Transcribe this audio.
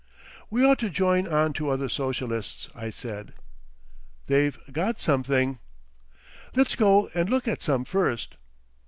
"We ought to join on to other socialists," I said. "They've got something." "Let's go and look at some first."